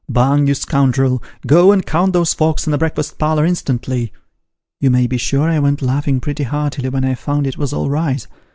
Bung, you scoundrel, go and count those forks in the break fast parlour instantly.' You may be sure I went laughing pretty hearty when I found it was all right.